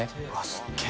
すっげぇ